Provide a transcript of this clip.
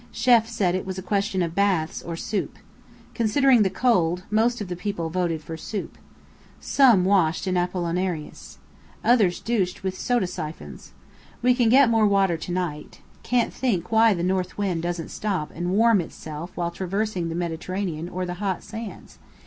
Chêf said it was a question of baths, or soup. Considering the cold, most of the people voted for soup. Some washed in Apollinaris. Others douched with soda siphons. We can get more water to night. Can't think why the north wind doesn't stop and warm itself while traversing the Mediterranean or the hot sands!